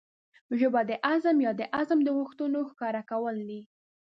ژبه د عزم يا د عزم د غوښتنو ښکاره کول دي.